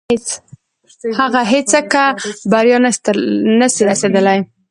هغه هيڅکه بريا ته نسي رسيدلاي.